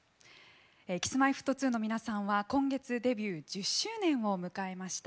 Ｋｉｓ‐Ｍｙ‐Ｆｔ２の皆さんは今月デビュー１０周年を迎えました。